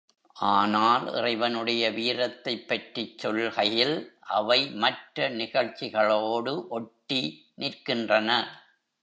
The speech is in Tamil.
ஆனால் இறைவனுடைய வீரத்தைப் பற்றிச் சொல்கையில் அவை மற்ற நிகழ்ச்சிகளோடு ஒட்டி நிற்கின்றன.